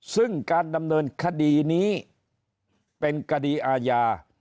ซึ่งการดำเนินคดีนี้เป็นคดีอาญา